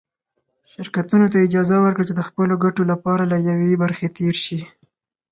شرکتونو ته یې اجازه ورکړه چې د خپلو ګټو له یوې برخې تېر شي.